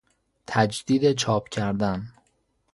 تجدید چاپ کردن